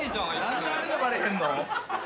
何であれでバレへんの？